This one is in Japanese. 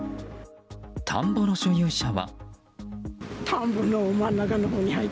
田んぼの所有者は。